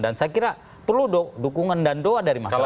dan saya kira perlu dukungan dan doa dari masyarakat